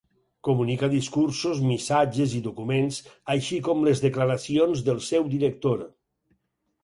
Comunica discursos, missatges i documents, així com les declaracions del seu director.